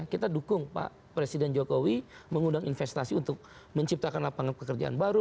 kita dukung pak presiden jokowi mengundang investasi untuk menciptakan lapangan pekerjaan baru